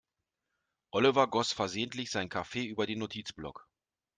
Oliver goss versehentlich seinen Kaffee über den Notizblock.